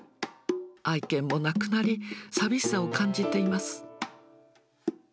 愛犬も亡くなり、寂しさを感じています。